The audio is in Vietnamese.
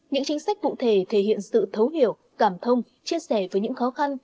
những chính sách cụ thể thể hiện sự thấu hiểu cảm thông chia sẻ với những khó khăn